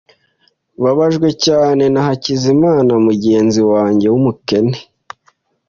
Mbabajwe cyane na Hakizimana , mugenzi wanjye w'umukene.